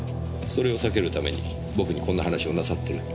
それを避けるために僕にこんな話をなさってる。